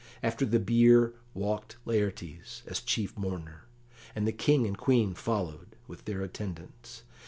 After the bier walked Laertes, as chief mourner, and the King and Queen followed, with their attendants.